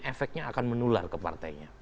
efeknya akan menular ke partainya